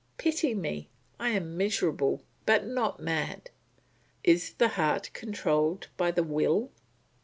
Pity me; I am miserable, but not mad. Is the heart controlled by the will?